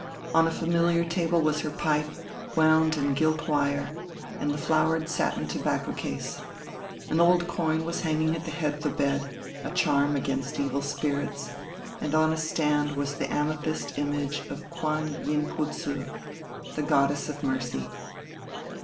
On a familiar table was her pipe, wound in gilt wire, and the flowered satin tobacco case. An old coin was hanging at the head of the bed, a charm against evil spirits; and on a stand was the amethyst image of Kuan Yin pu tze, the Goddess of Mercy.